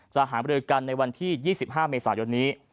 จะหางไปด้วยกันในวันที่๒๕เมษายนนี้